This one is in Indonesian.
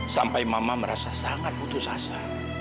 sampai mama merasa sangat putus asa